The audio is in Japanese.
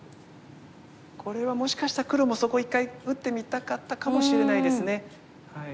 これはもしかしたら黒もそこ一回打ってみたかったかもしれないですね。